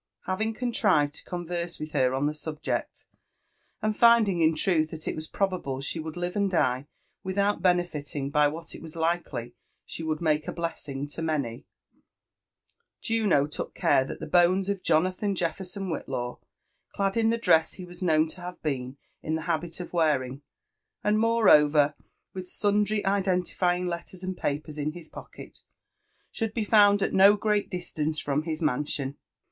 Having contrived to converse with her on the subject, and finding in truth that it was probable she would live and die without benefiting by what it was likely she would make a blessing to many, Juno took care that the bones of Jonathan Jefferson Whitlaw, clad in the dress he was known to have been in the habit of wearing, and moreover with sundry identifying letters and papers in his pocket, should be found a^t no great distance from his mansion.